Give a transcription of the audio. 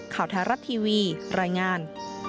ข่าวแท้รัฐทีวีรายงาน